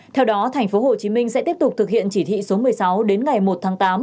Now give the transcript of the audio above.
theo đó tp hcm sẽ tiếp tục thực hiện chỉ thị số một mươi sáu đến ngày một tháng tám